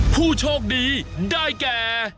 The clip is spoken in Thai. ผู้โชคดีได้แก่